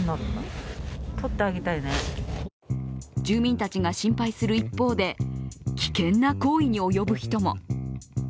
住民たちが心配する一方で危険な行為に及ぶ人も。